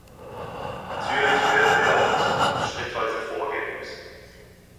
Natürlich werden wir auch in Zukunft schrittweise vorgehen müssen.